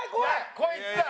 こいつだ！